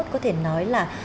có thể nói là